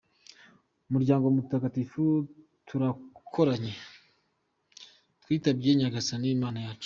Umuryango Mutagatifu, turakoranye, twitabye Nyagasani, Imana yacu!.